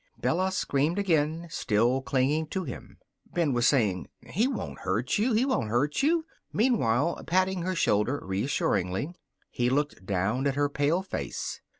Bella screamed again, still clinging to him. Ben was saying: "He won't hurt you. He won't hurt you," meanwhile patting her shoulder reassuringly. He looked down at her pale face.